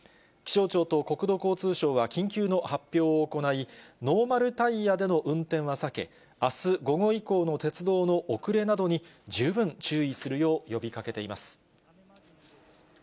気象庁と国土交通省は、緊急の発表を行い、ノーマルタイヤでの運転は避け、あす午後以降の鉄道の遅れなどに、十分注意するよう呼びかけています。